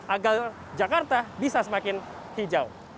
agar jakarta bisa semakin hijau